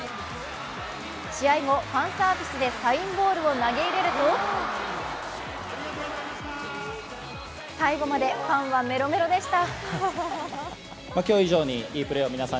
試合後、ファンサービスでサインボールを投げ入れると最後までファンはメロメロでした。